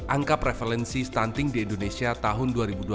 angka prevalensi stunting di indonesia tahun dua ribu dua puluh